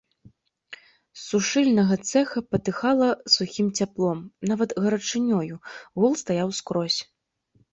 З сушыльнага цэха патыхала сухім цяплом, нават гарачынёю, гул стаяў скрозь.